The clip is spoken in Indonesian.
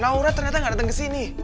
naura ternyata gak dateng kesini